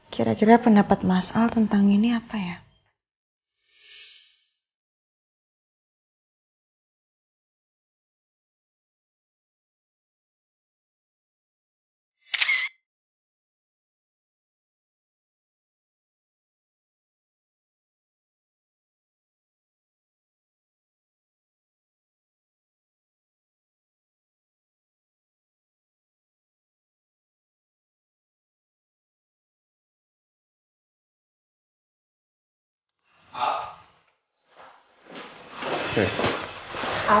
kira kira pendapat mas al tentang ini apa ya